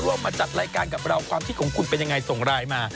ร่วมมาจัดรายการกับเราความคิดของคุณเป็นอย่างไรส่งรายมา